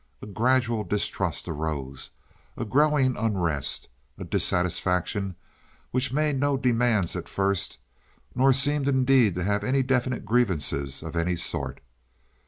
A gradual distrust arose a growing unrest a dissatisfaction, which made no demands at first, nor seemed indeed to have any definite grievances of any sort.